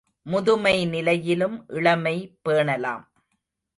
முதுமை நிலையிலும் இளமை பேணலாம்.